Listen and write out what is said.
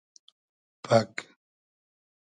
پئگ